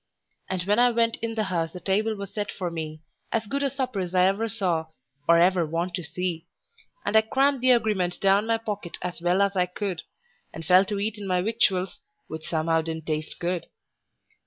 And when I went in the house the table was set for me As good a supper's I ever saw, or ever want to see; And I crammed the agreement down my pocket as well as I could, And fell to eatin' my victuals, which somehow didn't taste good.